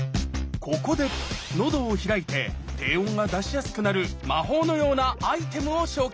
ここで喉を開いて低音が出しやすくなる魔法のようなアイテムを紹介！